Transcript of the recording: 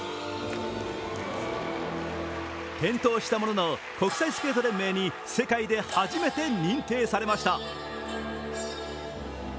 転倒したものの、国際スケート連盟に世界で初めて認定されました。